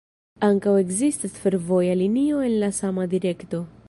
Ankaŭ ekzistas fervoja linio en la sama direkto.